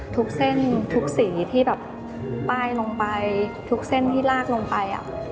ทุกเส้นทุกสีที่แบบป้ายลงไปทุกเส้นที่ลากลงไป